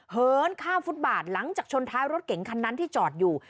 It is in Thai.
เหินข้ามฟุตบาทหลังจากชนท้ายรถเก๋งคันนั้นที่จอดอยู่